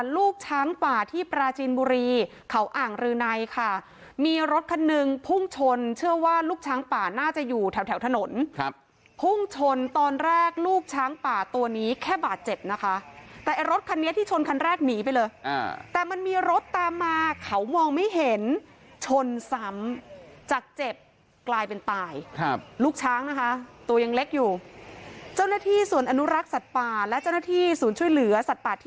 ลูกช้างป่าที่ปราจีนบุรีเขาอ่างรือในค่ะมีรถคันหนึ่งพุ่งชนเชื่อว่าลูกช้างป่าน่าจะอยู่แถวแถวถนนครับพุ่งชนตอนแรกลูกช้างป่าตัวนี้แค่บาดเจ็บนะคะแต่ไอ้รถคันนี้ที่ชนคันแรกหนีไปเลยแต่มันมีรถตามมาเขามองไม่เห็นชนซ้ำจากเจ็บกลายเป็นตายครับลูกช้างนะคะตัวยังเล็กอยู่เจ้าหน้าที่ส่วนอนุรักษ์สัตว์ป่าและเจ้าหน้าที่ศูนย์ช่วยเหลือสัตว์